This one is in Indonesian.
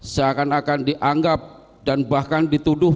seakan akan dianggap dan bahkan dituduh